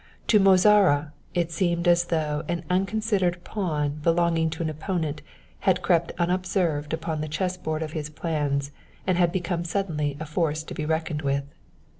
To Mozara it seemed as though an unconsidered pawn belonging to an opponent had crept unobserved up the chess board of his plans and had become suddenly a force to be reckoned with.